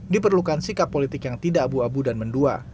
diperlukan sikap politik yang tidak abu abu dan mendua